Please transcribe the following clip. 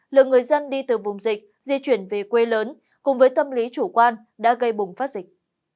lượng người dân đi từ vùng dịch di chuyển về quê lớn cùng với tâm lý chủ quan đã gây bùng phát dịch